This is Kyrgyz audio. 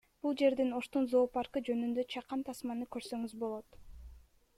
Бул жерден Оштун зоопаркы жөнүндө чакан тасманы көрсөңүз болот